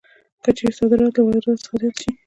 که چېرې صادرات له وارداتو څخه زیات شي